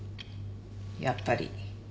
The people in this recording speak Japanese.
やっぱり。